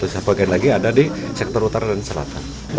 sebagian lagi ada di sektor utara dan selatan